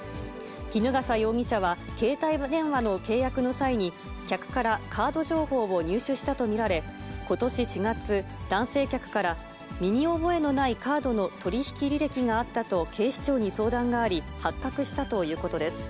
衣笠容疑者は携帯電話の契約の際に、客からカード情報を入手したと見られ、ことし４月、男性客から、身に覚えのないカードの取り引き履歴があったと警視庁に相談があり、発覚したということです。